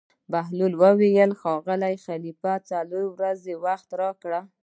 بهلول وویل: ښاغلی خلیفه څلور ورځې وخت راکړه.